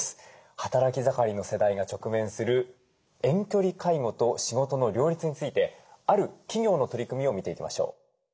働き盛りの世代が直面する遠距離介護と仕事の両立についてある企業の取り組みを見ていきましょう。